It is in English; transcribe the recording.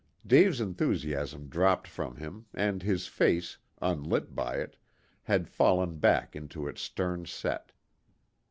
Dave's enthusiasm dropped from him, and his face, unlit by it, had fallen back into its stern set.